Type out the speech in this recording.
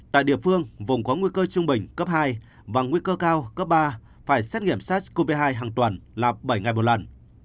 tại địa phương vùng có nguy cơ trung bình cấp hai và nguy cơ cao cấp ba phải xét nghiệm sars cov hai hàng tuần là bảy ngày một lần